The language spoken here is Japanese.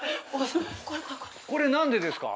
これ何でですか？